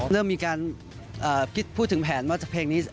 เริ่มมีการคิดพูดถึงแผนว่าเพลงนี้